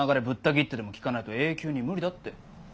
ぶった切ってでも聞かないと永久に無理だって。